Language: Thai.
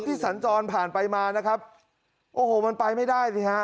สัญจรผ่านไปมานะครับโอ้โหมันไปไม่ได้สิฮะ